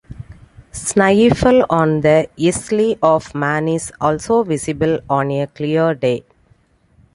Snaefell on The Isle of Man is also visible on a clear day.